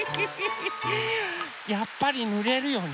やっぱりぬれるよね。